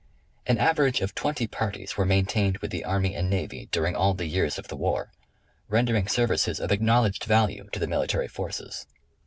An average of twenty parties were maintained with the Army and Navy during all the years of the war, rendering services of acknowledged value to the military forces.